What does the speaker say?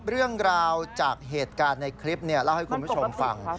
เรื่องราวจากเหตุการณ์ในคลิปเล่าให้คุณผู้ชมฟัง